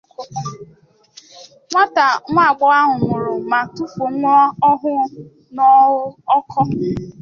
nwata nwaagbọghọ ahụ mụrụ ma tụfuo nwa ọhụụ n'Oko.